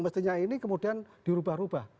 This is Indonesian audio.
mestinya ini kemudian dirubah rubah